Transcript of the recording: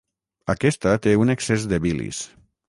Aquesta té un excés de bilis.